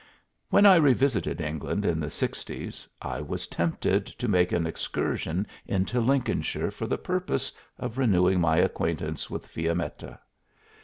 When I revisited England in the sixties, I was tempted to make an excursion into Lincolnshire for the purpose of renewing my acquaintance with Fiammetta.